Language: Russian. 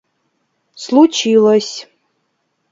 случилось